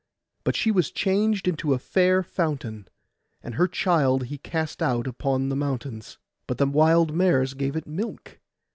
But she was changed into a fair fountain; and her child he cast out upon the mountains, but the wild mares gave it milk.